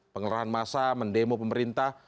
pengelolaan massa mendemo pemerintah